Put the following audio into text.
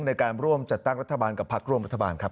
ในการร่วมจัดตั้งรัฐบาลกับพักร่วมรัฐบาลครับ